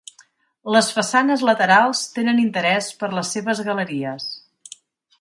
Les façanes laterals tenen interès per les seves galeries.